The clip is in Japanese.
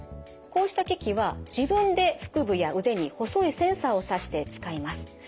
こうした機器は自分で腹部や腕に細いセンサーを刺して使います。